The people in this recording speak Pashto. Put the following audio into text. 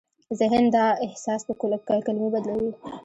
ذهن دا احساس په کلمو بدلوي.